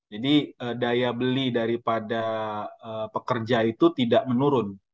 jadi daya beli daripada pekerja itu tidak menurun